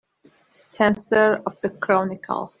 Spencer of the Chronicle.